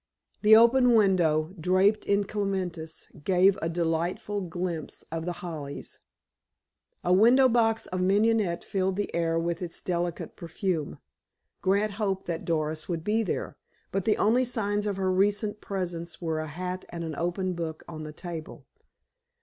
The open window, draped in clematis, gave a delightful glimpse of The Hollies. A window box of mignonette filled the air with its delicate perfume. Grant hoped that Doris would be there, but the only signs of her recent presence were a hat and an open book on the table.